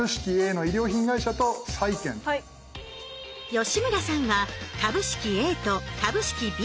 吉村さんは株式Ａと株式Ｂをチョイス。